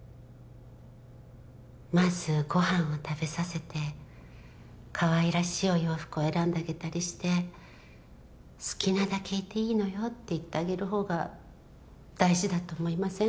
まずご飯を食べさせてかわいらしいお洋服を選んであげたりして好きなだけいていいのよって言ってあげるほうが大事だと思いません？